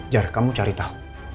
jar kamu cari tau